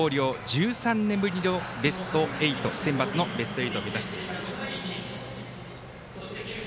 １３年ぶりのセンバツのベスト８を目指しています。